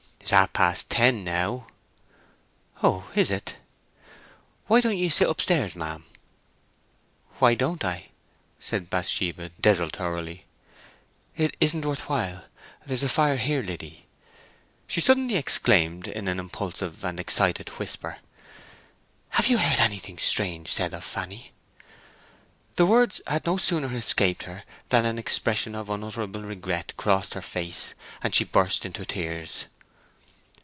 "It is half past ten now." "Oh! is it?" "Why don't you sit upstairs, ma'am?" "Why don't I?" said Bathsheba, desultorily. "It isn't worth while—there's a fire here, Liddy." She suddenly exclaimed in an impulsive and excited whisper, "Have you heard anything strange said of Fanny?" The words had no sooner escaped her than an expression of unutterable regret crossed her face, and she burst into tears.